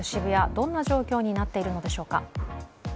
どんな状況になっているのでしょうか？